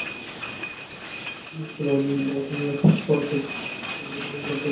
খেলোয়াড়ী জীবন থেকে অবসর নেয়ার পর সংক্ষিপ্তকালের জন্য ভারত দলের ম্যানেজারের দায়িত্বে ছিলেন তিনি।